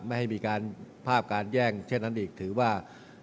ไม่ให้มีการภาพการแย่งเช่นนั้นอีกถือว่า